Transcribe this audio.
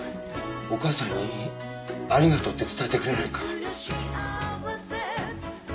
お母さんにありがとうって伝えてくれないか？